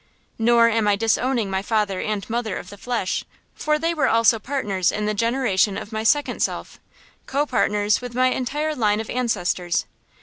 Nor am I disowning my father and mother of the flesh, for they were also partners in the generation of my second self; copartners with my entire line of ancestors.